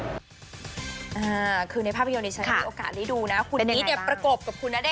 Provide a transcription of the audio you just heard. อ่าคือในภาพยนต์นี้ฉันยังไม่มีโอกาสได้ดูนะคุณนี้เด็ดประกบกับคุณณเดชเลย